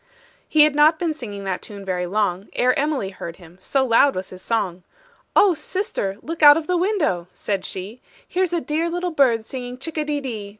He had not been singing that tune very long, Ere Emily heard him, so loud was his song: "Oh, sister, look out of the window," said she; "Here's a dear little bird singing chick a de dee.